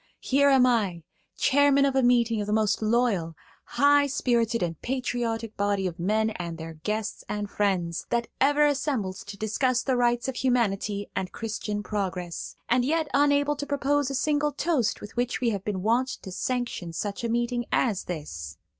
Here am I, chairman of a meeting of the most loyal, high spirited and patriotic body of men and their guests and friends, that ever assembled to discuss the rights of humanity and Christian progress, and yet unable to propose a single toast with which we have been wont to sanction such a meeting as this.